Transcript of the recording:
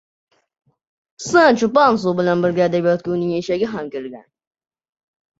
— Sancho Panso bilan birga adabiyotga uning eshagi ham kirgan.